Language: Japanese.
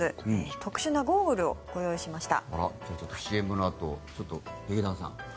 特殊なゴーグルをご用意しました。